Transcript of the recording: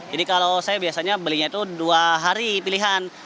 jadi kalau saya biasanya belinya itu dua hari pilihan